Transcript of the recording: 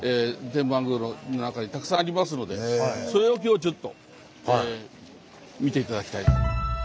天満宮の中にたくさんありますのでそれを今日はちょっと見て頂きたい。